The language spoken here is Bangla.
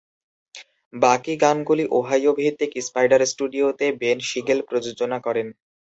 বাকি গানগুলি ওহাইও ভিত্তিক স্পাইডার স্টুডিওতে বেন শিগেল প্রযোজনা করেন।